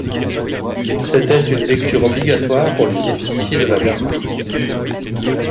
C'était une lecture obligatoire pour les officiers de la Wehrmacht.